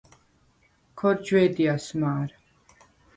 ქორ ჯვე̄დიას მა̄რ.